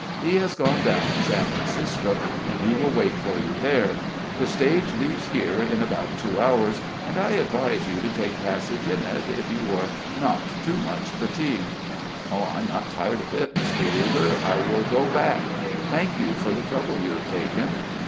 He has gone down to San Francisco, and he will wait for you there. The stage leaves here in about two hours, and I advise you to take passage in it, if you are not too much fatigued." "I'm not tired a bit, Mr. Kuger. I will go back. Thank you for the trouble you have taken."